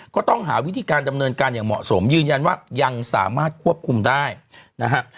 ก็ต้องหาวิธีการดำเนินการอย่างเหมาะสมยืนยันว่ายังสามารถควบคุมได้นะฮะ